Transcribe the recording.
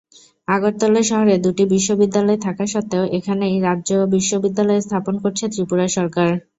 আগরতলা শহরে দুটি বিশ্ববিদ্যালয় থাকা সত্ত্বেও এখানেই রাজ্য-বিশ্ববিদ্যালয় স্থাপন করছে ত্রিপুরা সরকার।